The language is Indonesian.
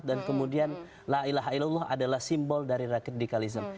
dan kemudian la ilaha illallah adalah simbol dari radicalism